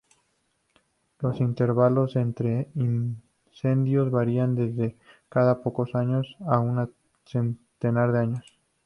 Los intervalos entre incendios varían desde cada pocos años a un centenar de años.